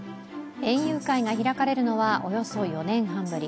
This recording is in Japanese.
園遊会が開かれるのはおよそ４年半ぶり。